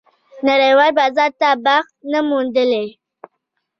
نړېوال بازار ته بخت نه موندلی.